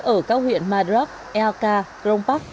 ở các huyện madrak elka krongpak